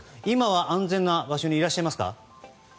今は、安全な場所にいらっしゃいますか？